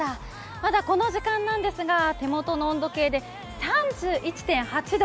まだこの時間なんですが、手元の温度計で３１．８度。